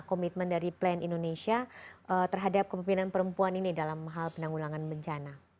komitmen dari plan indonesia terhadap kepemimpinan perempuan ini dalam hal penanggulangan bencana